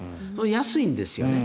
安いんですよね。